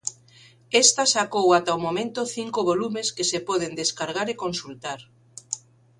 Esta sacou ata o momento cinco volumes que se poden descargar e consultar.